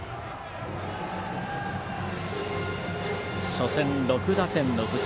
初戦６打点の藤井。